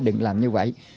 đừng làm như vậy